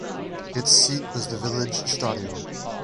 Its seat was the village Stadio.